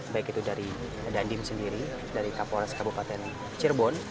baik itu dari dandim sendiri dari kapolres kabupaten cirebon